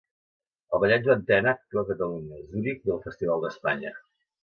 El Ballet Joan Tena actua a Catalunya, a Zuric i al Festival d’Espanya.